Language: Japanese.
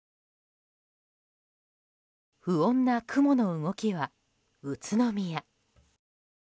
不穏な雲の動きは宇都宮。